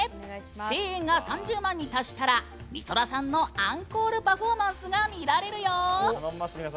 声援が３０万に達したらみそらさんのアンコールパフォーマンスが見られるよ！